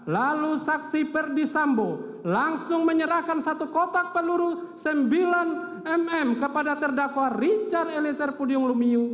lalu saksi perdisambo langsung menyerahkan satu kotak peluru sembilan mm kepada terdakwa richard eliezer pudium lumiu